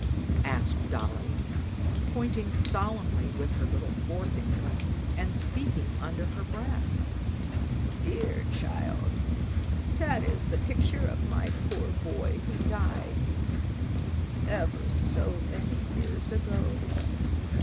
asked Dolly, pointing solemnly with her little forefinger, and speaking under her breath. "Dear child, that is the picture of my poor boy who died ever so many years ago.